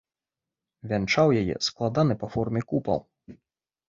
Вянчаў яе складаны па форме купал.